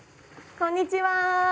こんにちは。